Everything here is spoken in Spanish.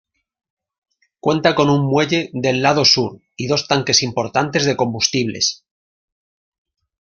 Cuenta con un muelle del lado sur y dos tanques importantes de combustibles.